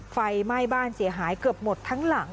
ไฟไหม้บ้านเสียหายเกือบหมดทั้งหลัง